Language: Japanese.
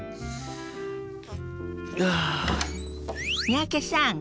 三宅さん